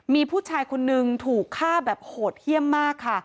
มีผู้ชายคนนึงถูกฆ่าแบบโหดเยี่ยมมากค่ะ